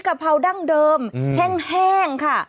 กะเพราดั้งเดิมแห้งค่ะ